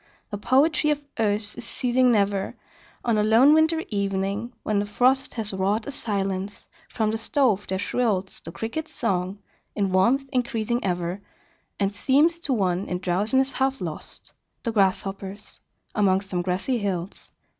The poetry of earth is ceasing never: On a lone winter evening, when the frost Has wrought a silence, from the stove there shrills The Cricket's song, in warmth increasing ever, And seems to one in drowsiness half lost, The Grasshopper's among some grassy hills.